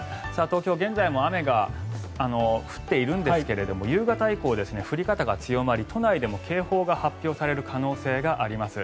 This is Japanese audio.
東京は現在も雨が降っているんですが夕方以降、降り方が強まり都内でも警報が発表される可能性があります。